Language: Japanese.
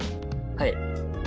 はい。